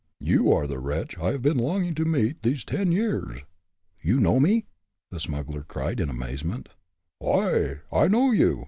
You are the wretch I have been longing to meet these ten years!" "You know me?" the smuggler cried, in amazement. "Ay! I know you!"